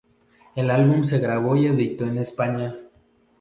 El álbum se grabó y editó en España.